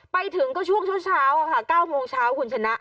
ไปถึงก็ช่วงเช้าค่ะ๙โมงเช้าคุณชนะ